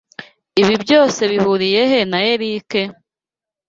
Ibi byose bihuriye he na Eric?